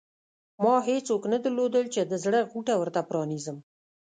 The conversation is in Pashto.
ما هېڅوک نه درلودل چې د زړه غوټه ورته پرانېزم.